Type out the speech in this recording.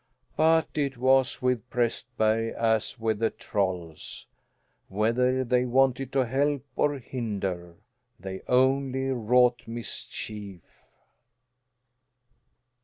But it was with Prästberg as with the trolls whether they wanted to help or hinder they only wrought mischief.